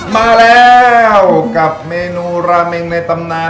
มาแล้วกับเมนูราเมงในตำนาน